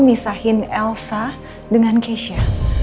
misahin elsa dengan keisha